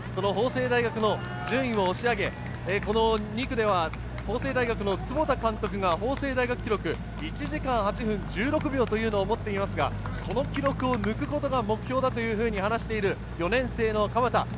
法政大の順位を押し上げ、２区では法政大の坪田監督が法政大学記録１時間８分１６秒というのを持っていますがこの記録を抜くことが目標だと話している４年生の鎌田。